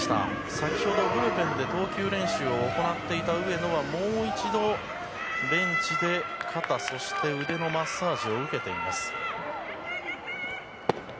先ほど、ブルペンで投球練習を行っていた上野はもう一度、ベンチで肩と腕のマッサージを受けています。